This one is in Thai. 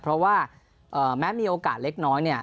เพราะว่าแม้มีโอกาสเล็กน้อยเนี่ย